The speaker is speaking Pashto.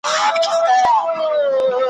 هغه مټي چي حساب یې وي پر کړی `